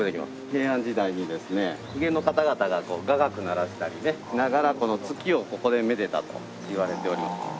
平安時代にですね公家の方々が雅楽鳴らしたりねしながら月をここでめでたといわれております。